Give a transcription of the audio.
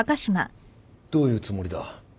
どういうつもりだ？